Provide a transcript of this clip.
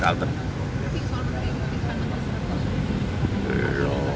siswa berhenti kutip tangan pak prabowo